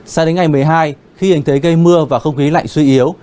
sao đến ngày một mươi hai khi hình thế gây mưa và không khí lạnh suy yếu